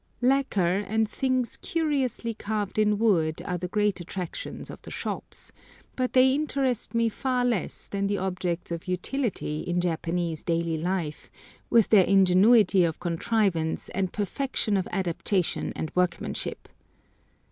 Lacquer and things curiously carved in wood are the great attractions of the shops, but they interest me far less than the objects of utility in Japanese daily life, with their ingenuity of contrivance and perfection of adaptation and workmanship.